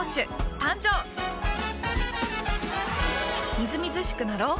みずみずしくなろう。